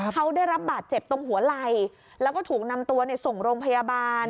เขาได้รับบาดเจ็บตรงหัวไหล่แล้วก็ถูกนำตัวส่งโรงพยาบาล